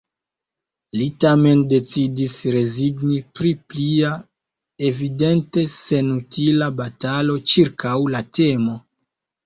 Li tamen decidis rezigni pri plia, evidente senutila batalo ĉirkaŭ la temo.